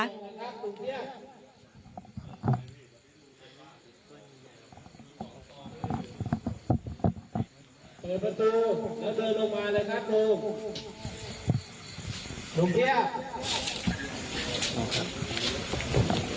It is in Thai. เปิดประตูแล้วเดินลงมาเลยครับดู